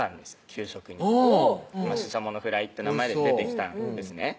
給食に「ししゃものフライ」って名前で出てきたんですね